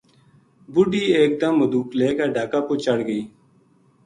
بڈھی ایک دم مدوک لے کے ڈھاکا پو چڑھ گئی